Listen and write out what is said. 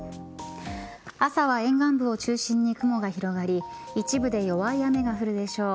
朝は沿岸部を中心に雲が広がり一部で弱い雨が降るでしょう。